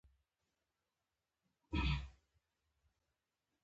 ګاونډي سره حسد کول ښه کار نه دی